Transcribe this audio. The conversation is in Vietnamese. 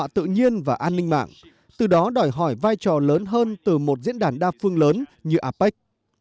tự nhiên và an ninh mạng từ đó đòi hỏi vai trò lớn hơn từ một diễn đàn đa phương lớn như apec